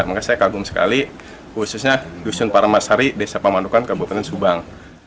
makanya saya kagum sekali khususnya dusun paramasari desa pamanukan kabupaten subang